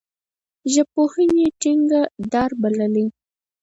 ژبپوهني ټیکه دار بللی.